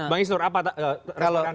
bang isner apa resmi anda